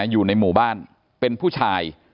อยู่ในหมู่บ้านเป็นผู้ชาย